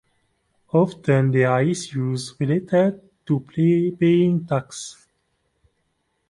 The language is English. Often there are issues related to paying tax.